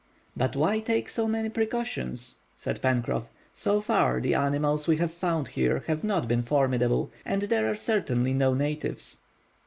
"But why take so many precautions?" said Pencroff. "So far, the animals we have found here have not been formidable; and there are certainly no natives."